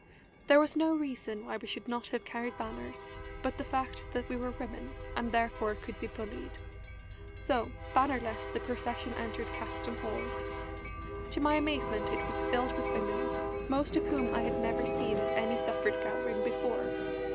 There was no reason why we should not have carried banners but the fact that we were women, and therefore could be bullied. So, bannerless, the procession entered Caxton Hall. To my amazement it was filled with women, most of whom I had never seen at any suffrage gathering before.